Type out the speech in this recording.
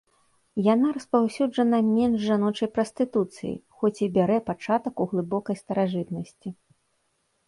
Яна распаўсюджана менш жаночай прастытуцыі, хоць і пярэ пачатак у глыбокай старажытнасці.